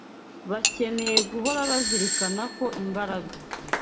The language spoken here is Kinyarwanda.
Bakeneye guhora bazirikana ko imbaraga